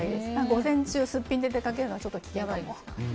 午前中すっぴんで出かけるのはちょっと危険です。